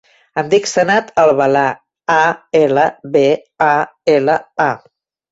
Em dic Sanad Albala: a, ela, be, a, ela, a.